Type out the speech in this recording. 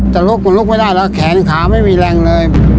ลุกคุณลุกไม่ได้แล้วแขนขาไม่มีแรงเลย